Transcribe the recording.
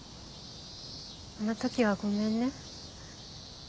あの時はごめんね。